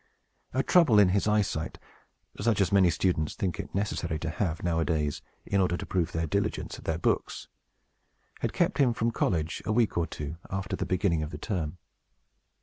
A trouble in his eyesight (such as many students think it necessary to have, nowadays, in order to prove their diligence at their books) had kept him from college a week or two after the beginning of the term.